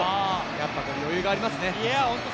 やっぱり余裕がありますね。